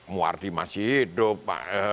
muardi masih hidup